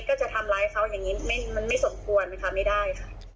ก็จะทำร้ายเขาอย่างนี้มันไม่สมควรมันทำไม่ได้ค่ะ